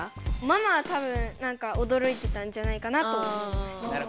ママは多分なんかおどろいてたんじゃないかなと思います。